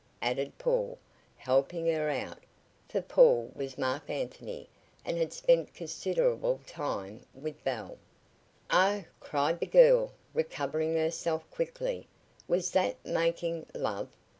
added Paul, helping her out, for Paul was Marc Anthony, and had spent considerable time with Belle. "Oh!" cried the girl, recovering herself quickly. "Was that making love?"